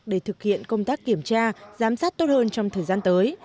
để thực hiện công tác kiểm tra giám sát tốt hơn trong thời gian tới